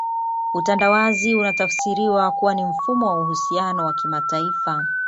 Utandawazi unatafsiriwa kuwa ni mfumo wa uhusiano wa kimataifa